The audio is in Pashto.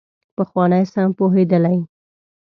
پخواني سم پوهېدلي.